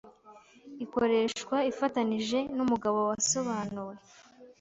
Ikoreshwa ifatanije n umugabo wasobanuwe